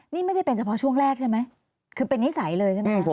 นี่ไม่พี่แซมจริงฯนิสัยเลยใช่ไหม